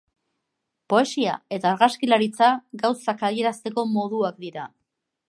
Poesia eta argazkilaritza gauzak adierazteko moduak dira.